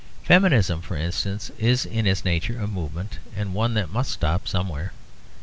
Feminism, for instance, is in its nature a movement, and one that must stop somewhere.